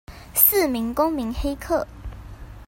四名公民黑客